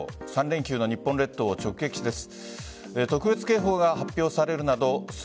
３連休の日本列島を直撃です。